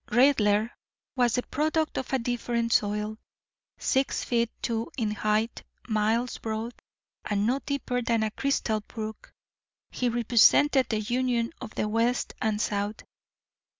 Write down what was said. Raidler was the product of a different soil. Six feet two in height, miles broad, and no deeper than a crystal brook, he represented the union of the West and South.